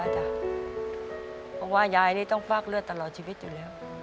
เพราะว่ายายนี่ต้องฟากเลือดตลอดชีวิตอยู่แล้ว